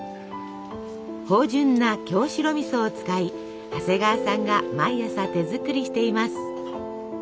芳じゅんな京白みそを使い長谷川さんが毎朝手作りしています。